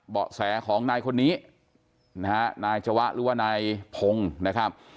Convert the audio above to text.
เบาะแสของนายคนนี้นะฮะนายจวะหรือว่านายพงศ์นะครับ